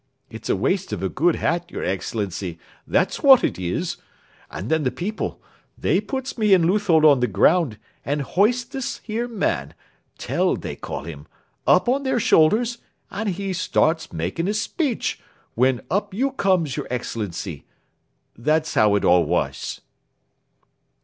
It's a waste of a good hat, your Excellency that's what it is. And then the people, they puts me and Leuthold on the ground, and hoists this here man Tell, they call him up on their shoulders, and he starts making a speech, when up you comes, your Excellency. That's how it all was."